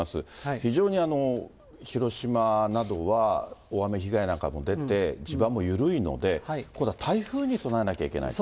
非常に広島などは、大雨被害なんかも出て、地盤も緩いので、今度は台風に備えないといけないと。